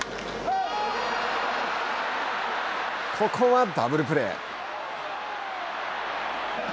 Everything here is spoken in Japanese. ここはダブルプレー。